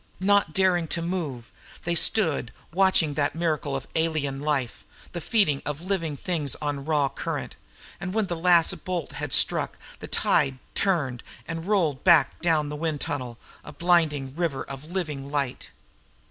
Not daring to move, they stood watching that miracle of alien life, the feeding of living things on raw current. And when the last bolt had struck, the tide turned and rolled back down the wind tunnel, a blinding river of living light.